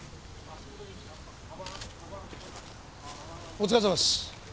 お疲れさまです。